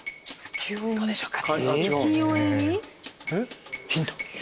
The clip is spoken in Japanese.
どうでしょうか。